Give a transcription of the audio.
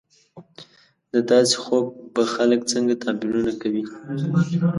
د داسې خوب به خلک څنګه تعبیرونه کوي